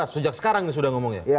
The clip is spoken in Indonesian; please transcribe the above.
sejak sekarang ini sudah ngomongnya